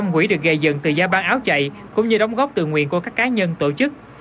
một trăm linh quỹ được gây dựng từ gia ban áo chạy cũng như đóng góp tự nguyện của các cá nhân tổ chức